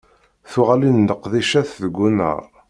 Tuɣalin n leqdicat deg unnar.